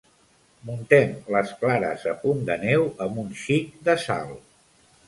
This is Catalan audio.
Muntem les clares a punt de neu amb un xic de sal.